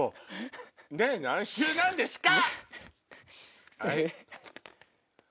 何周なんですか？